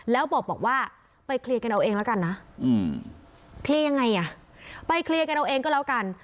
แล้วบอกว่าไปเคลียร์กันเอาเองแล้วกันนะไปเคลียร์กันเอาเองก็แล้วกัน